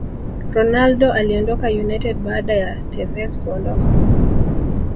Ronaldo aliondoka United baada ya Tevez kuondoka